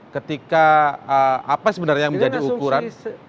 ketika apa sebenarnya yang menjadi ukuran